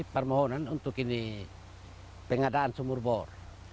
pembuatan sumur bor